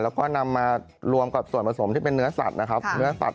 ข้างบัวแห่งสันยินดีต้อนรับทุกท่านนะครับ